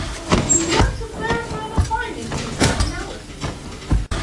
We want to clarify the findings of that analysis.